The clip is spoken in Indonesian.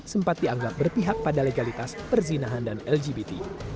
sempat dianggap berpihak pada legalitas perzinahan dan lgbt